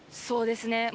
そうですね。